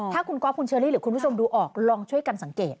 ถ้าคุณก๊อฟคุณเชอรี่หรือคุณผู้ชมดูออกลองช่วยกันสังเกต